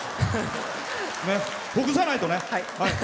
ほぐさないとね。